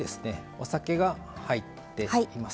お酒が入っています。